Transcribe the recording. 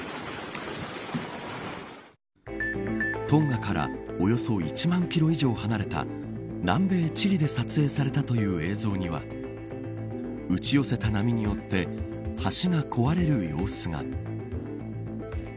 トンガからおよそ１万キロ以上離れた南米チリで撮影されたという映像には打ち寄せた波によって橋が壊れる様子が。